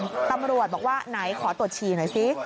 ตำรวจฟังตำรวจบอกว่าไหนขอตรวจชีหน่อยซิ